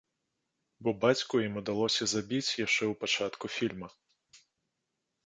Бо бацьку ім удалося забіць яшчэ ў пачатку фільма.